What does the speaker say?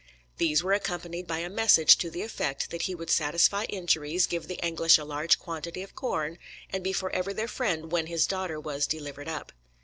These were accompanied by a message to the effect that he would satisfy injuries, give the English a large quantity of corn, and be forever their friend when his daughter was delivered up.